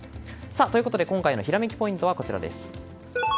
ということで今回のひらめきポイントはこちら。